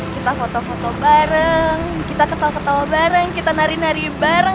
kita foto foto bareng kita ketawa ketawa bareng kita nari nari bareng